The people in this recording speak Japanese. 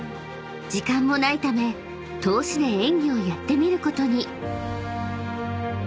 ［時間もないため通しで演技をやってみることに］